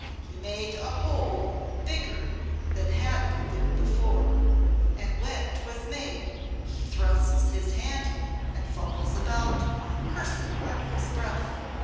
He made a hole bigger than had been there before, and when 'twas made he thrusts his hand in and fumbles about, cursing under his breath.